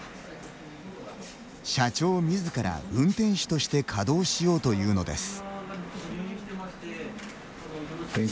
社長みずから運転手として稼働しようというのです。